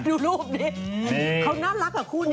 ดูรูปนี้เขาน่ารักกับคู่นี้